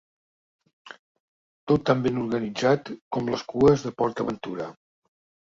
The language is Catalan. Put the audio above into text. Tot tan ben organitzat com les cues de Port Aventura.